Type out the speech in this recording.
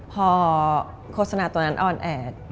พอโฆษณาตัวนั้นอ่อนแอด